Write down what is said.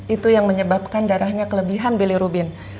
itu yang menyebabkan darahnya kelebihan belirubin